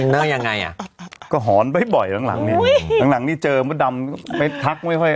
แล้วยังไงอ่ะก็หอนบ่อยหลังเนี่ยหลังนี่เจอมดดำไปทักไม่ค่อย